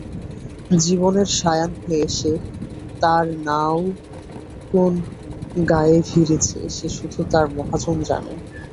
জীবনের সায়াহ্নে এসে তাঁর নাও কোন গাঁয়ে ভিড়েছে—সে শুধু তাঁর মহাজন জানেন।